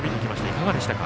いかがでした？